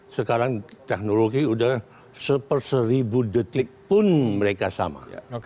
sekarang teknologi sudah seperseribu detik pun mereka sama